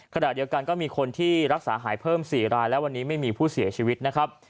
ขณะเดียวกันก็มีคนที่รักษาหายเพิ่ม๔รายและวันนี้ไม่มีผู้เสียชีวิตนะครับ